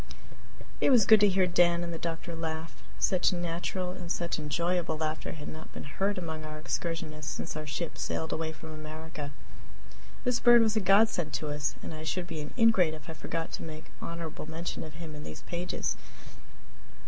It was good to hear Dan and the doctor laugh such natural and such enjoyable laughter had not been heard among our excursionists since our ship sailed away from America. This bird was a godsend to us, and I should be an ingrate if I forgot to make honorable mention of him in these pages.